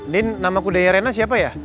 din nama kudanya rena siapa ya